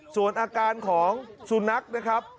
ส่วนอาการของสุนัขนะครับ